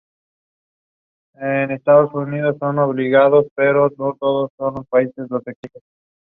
They later travelled to Spain and from there to Brazil.